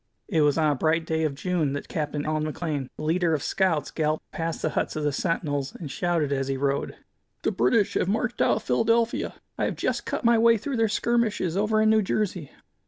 It was on a bright day of June that Capt. Allan McLane, the leader of scouts, galloped past the huts of the sentinels, and shouted as he rode: "The British have marched out of Philadelphia! I have just cut my way through their skirmishers over in New Jersey!"